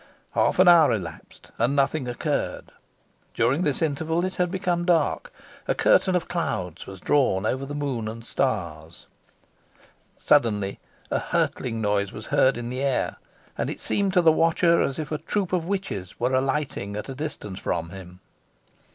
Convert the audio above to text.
Half an hour elapsed, and nothing occurred. During this interval it had become dark. A curtain of clouds was drawn over the moon and stars. Suddenly, a hurtling noise was heard in the air, and it seemed to the watcher as if a troop of witches were alighting at a distance from him.